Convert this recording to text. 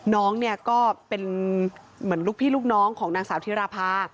น้องเนี่ยก็เป็นเหมือนลูกพี่ลูกน้องของนางสาวธิราภา